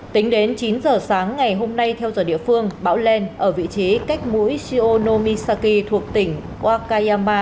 tính đến chín giờ sáng ngày hôm nay theo giờ địa phương bão len ở vị trí cách mũi saki thuộc tỉnh wakayama